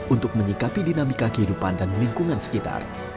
untuk menyikapi dinamika kehidupan dan lingkungan sekitar